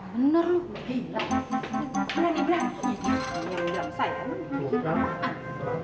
ya bener lo udah hilang